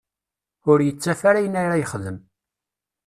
Ur yettaf ara ayen ara yexdem.